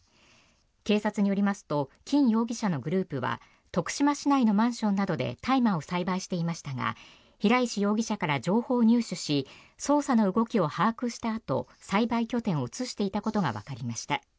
警察によりますとキン容疑者のグループは徳島市内のマンションなどで大麻を栽培していましたが平石容疑者から情報を入手し捜査の動きを把握したあと栽培拠点を移していたことがわかりました。